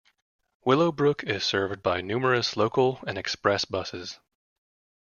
Willowbrook is served by numerous local and express buses.